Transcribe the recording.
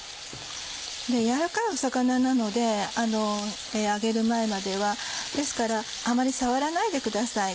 柔らかいお魚なので揚げる前まではあまり触らないでください。